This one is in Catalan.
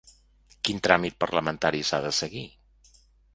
Quin tràmit parlamentari s’ha de seguir?